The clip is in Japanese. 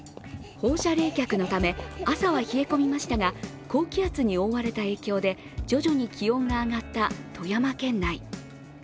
放射冷却のため、朝は冷え込みましたが高気圧に覆われた影響で徐々に気温が上がった富山県内。